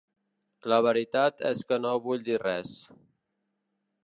La veritat és que no vull dir res.